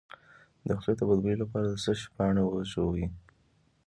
د خولې د بد بوی لپاره د څه شي پاڼې وژويئ؟